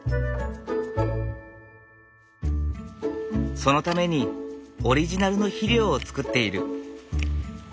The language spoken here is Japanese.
そのためにオリジナルの肥料を作っている。